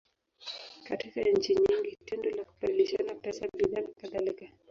Katika nchi nyingi, tendo la kubadilishana pesa, bidhaa, nakadhalika.